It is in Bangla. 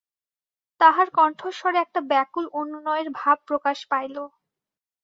তাহার কণ্ঠস্বরে একটা ব্যাকুল অনুনয়ের ভাব প্রকাশ পাইল।